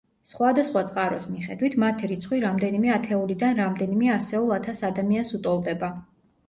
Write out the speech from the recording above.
სხვადასხვა წყაროს მიხედვით მათი რიცხვი რამდენიმე ათეულიდან რამდენიმე ასეულ ათას ადამიანს უტოლდება.